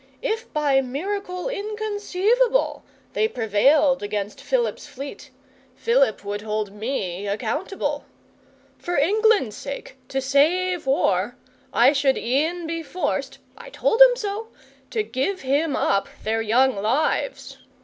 If by miracle inconceivable they prevailed against Philip's fleet, Philip would hold me accountable. For England's sake, to save war, I should e'en be forced (I told 'em so) to give him up their young lives.